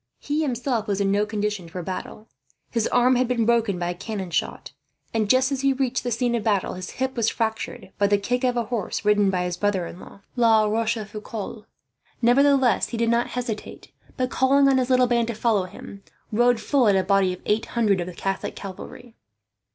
He himself was in no condition for battle. His arm had been broken by a cannon shot and, just as he reached the scene of battle, his hip was fractured by the kick of a horse ridden by his brother in law, La Rochefoucault. Nevertheless he did not hesitate but, calling on his little band to follow him, rode full at a body of eight hundred of the Catholic cavalry.